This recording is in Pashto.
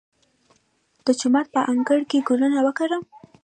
د جومات په انګړ کې ګلونه وکرم؟